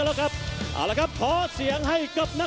สวัสดีทุกคน